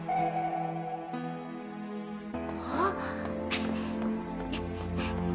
あっ。